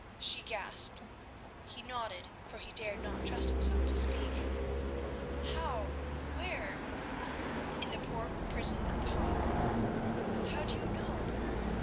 she gasped. He nodded, for he dared not trust himself to speak. "How? Where?" "In the Poort prison at The Hague." "How do you know?"